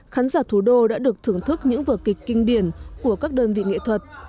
khán giả thủ đô đã được thưởng thức những vở kịch kinh điển của các đơn vị nghệ thuật